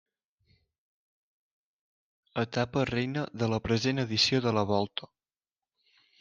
Etapa reina de la present edició de la Volta.